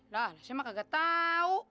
lah saya mah kagak tau